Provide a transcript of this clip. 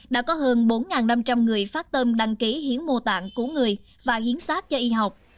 đã có hơn bốn năm trăm linh người phát tâm đăng ký hiến mô tạng cứu người và hiến sát cho y học